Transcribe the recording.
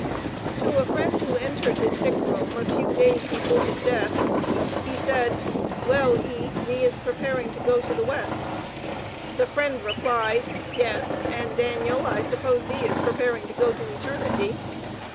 To a friend, who entered his sick room, a few days before his death, he said: "Well, E., thee is preparing to go to the West." The friend replied: "Yes, and Daniel, I suppose thee is preparing to go to eternity."